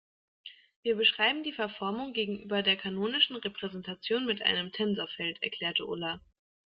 Wir beschreiben die Verformung gegenüber der kanonischen Repräsentation mit einem Tensorfeld, erklärte Ulla.